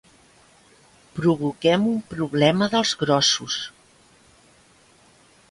Provoquem un problema dels grossos.